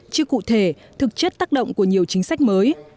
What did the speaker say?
chưa cụ thể thực chất tác động của nhiều chính sách mới